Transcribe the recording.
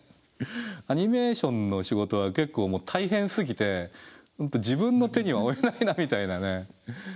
アニメーションの仕事は結構もう大変すぎて自分の手には負えないなみたいなね。